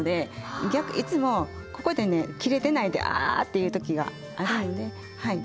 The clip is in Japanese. いつもここでね切れてないであ！っていう時があるのではい。